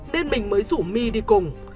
nên mình mới rủ my đi cùng